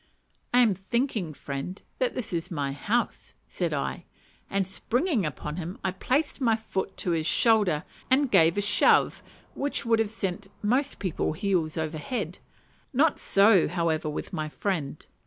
"I am thinking, friend, that this is my house," said I; and springing upon him, I placed my foot to his shoulder and gave a shove which would have sent most people heels over head. Not so, however, with my friend.